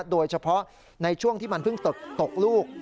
โดยเฉพาะในช่วงที่มันเพิ่งตกลูก